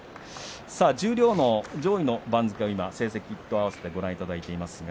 十両の上位の番付成績と合わせてご覧いただいています。